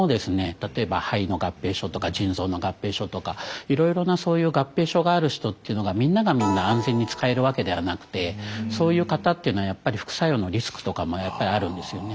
例えば肺の合併症とか腎臓の合併症とかいろいろなそういう合併症がある人っていうのがみんながみんな安全に使えるわけではなくてそういう方っていうのはやっぱり副作用のリスクとかもあるんですよね。